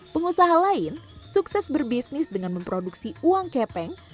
pengusaha lain sukses berbisnis dengan memproduksi uang kepeng